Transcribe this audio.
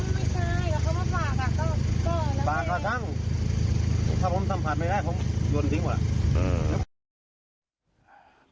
ทำไมไม่ใช่เข้ามาปากอ่ะก็ปากกระทั่งถ้าผมสัมผัสไม่ได้ผมยืนทิ้ง